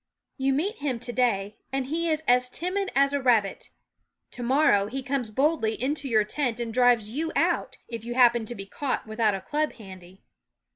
You meet him to day, and he is as timid as a rabbit ; to morrow he comes boldly into your tent and drives you out, if you happen to be caught without a club handy.